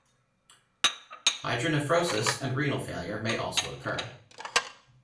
Hydronephrosis and renal failure may also occur.